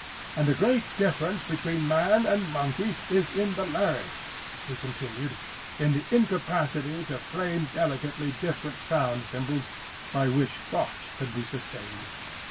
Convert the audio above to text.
And the great difference between man and monkey is in the larynx, he continued,—in the incapacity to frame delicately different sound symbols by which thought could be sustained.